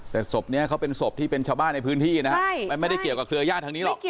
แต่ศพนี้เขาเป็นศพที่เป็นชาวบ้านในพื้นที่นะฮะมันไม่ได้เกี่ยวกับเครือญาติทางนี้หรอก